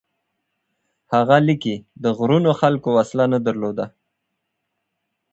هغه لیکي: د غرونو خلکو وسله نه درلوده،